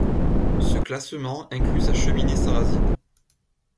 Ce classement inclut sa cheminée sarrasine.